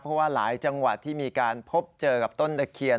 เพราะว่าหลายจังหวัดที่มีการพบเจอกับต้นตะเคียน